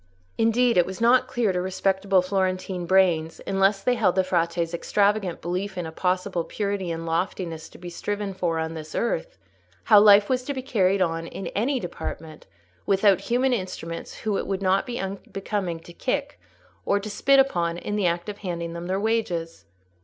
Indeed, it was not clear to respectable Florentine brains, unless they held the Frate's extravagant belief in a possible purity and loftiness to be striven for on this earth, how life was to be carried on in any department without human instruments whom it would not be unbecoming to kick or to spit upon in the act of handing them their wages.